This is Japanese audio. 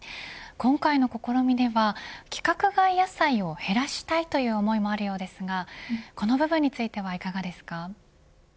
今回の試みでは、規格外野菜を減らしたいという思いもあるようですがこの部分についてはいかがですか。